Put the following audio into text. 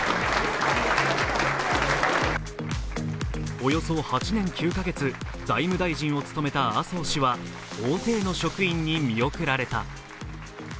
およそ８年９カ月財務大臣を務めた麻生氏は大勢の職員に見送られた。